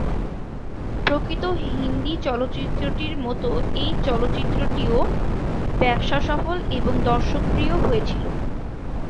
প্রকৃত হিন্দি চলচ্চিত্রটির মত এই চলচ্চিত্রটিও ব্যবসাসফল এবং দর্শকপ্রিয় হয়েছিলো।